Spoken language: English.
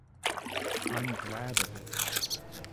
I'm glad of it.